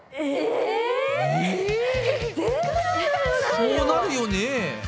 そうなるよね。